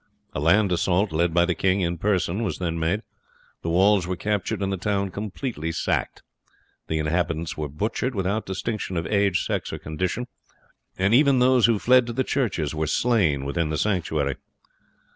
A land assault, led by the king in person, was then made; the walls were captured, and the town completely sacked. The inhabitants were butchered without distinction of age, sex, or condition, and even those who fled to the churches were slain within the sanctuary.